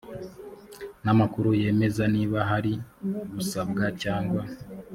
n amakuru yemeza niba hari gusabwa cyangwa